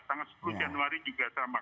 tanggal sepuluh januari juga sama